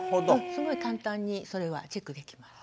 すごい簡単にそれはチェックできます。